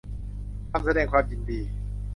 คำแสดงความยินดี